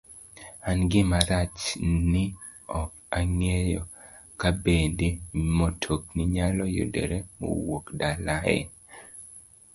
an gima rach ni ok nang'eyo kabende motokni nyalo yudore mawuok dalawa e